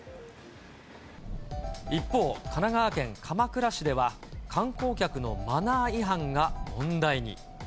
一方、神奈川県鎌倉市では、観光客のマナー違反が問題に。